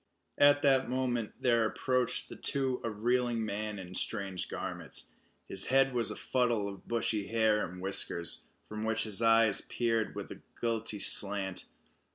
At that moment there approached the two a reeling man in strange garments. His head was a fuddle of bushy hair and whiskers, from which his eyes peered with a guilty slant.